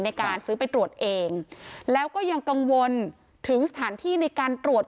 ในการซื้อไปตรวจเองแล้วก็ยังกังวลถึงสถานที่ในการตรวจ